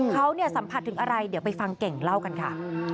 เขาสัมผัสถึงอะไรเดี๋ยวไปฟังเก่งเล่ากันค่ะ